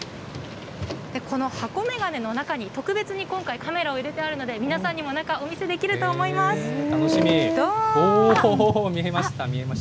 この箱メガネの中に、特別に今回、カメラを入れてあるので、皆さんにも中、お見せできると思楽しみ。